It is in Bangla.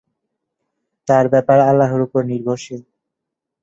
তার ব্যাপার আল্লাহর উপর নির্ভরশীল।